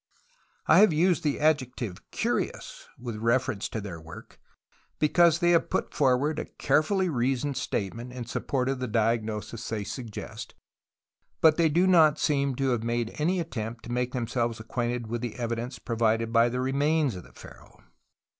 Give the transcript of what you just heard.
" I have used the adjective curious with reference to their work, because they have put forward a carefully reasoned statement in support of the diagnosis they suggest, but do not seem to have made any attempt to make themselves acquainted with the e^'idence pro\ided by the remains of the pharaoh.